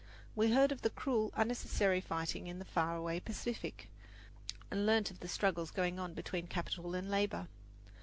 We heard of the cruel, unnecessary fighting in the far away Pacific, and learned of the struggles going on between capital and labour.